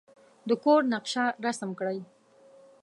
د کور نقشه رسم کړئ.